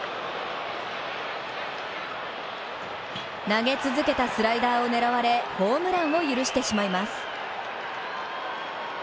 投げ続けたスライダーを狙われホームランを許してしまいます。